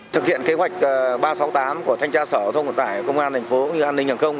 thực hiện kế hoạch ba trăm sáu mươi tám của thanh tra sở thông vận tải công an thành phố như an ninh hàng không